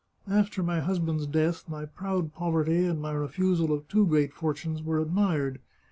After my husband's death, my proud poverty and my refusal of two great fortunes were admired.